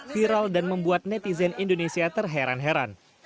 viral dan membuat netizen indonesia terheran heran